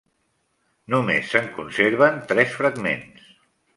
Només se'n conserven tres fragments.